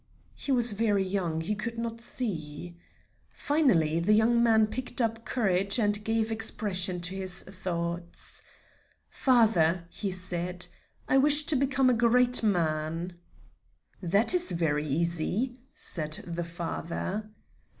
He was very young; he could not see. Finally, the young man picked up courage and gave expression to his thoughts. "Father," he said, "I wish to become a great man." "That is very easy," said the father.